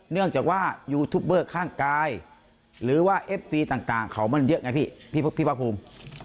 เนื่องจากว่ายูทูปเบอร์ข้างกายหรือว่าเอฟซีต่างเขามันเยอะไงพี่พี่ภาคภูมิ